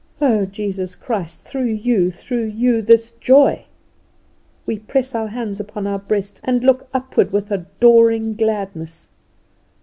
Oh, Jesus Christ, through you, through you this joy! We press our hands upon our breast and look upward with adoring gladness.